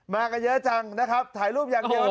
มากันเยอะจังนะครับถ่ายรูปอย่างเดียว